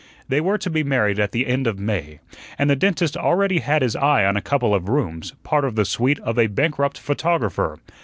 They were to be married at the end of May, and the dentist already had his eye on a couple of rooms, part of the suite of a bankrupt photographer.